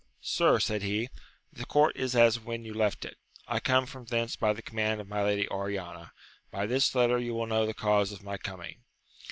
Sir, said he, the court is as when you left it : I come from thence by the command of my Lady Oriana ; by this letter you wiU know the cause of my coming.